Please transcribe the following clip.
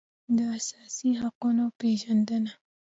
د اساسي حقوقو پېژندنه